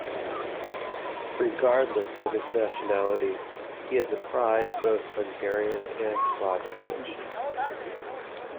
Regardless of his nationality, he is a pride of both Hungarian and Slovak nations.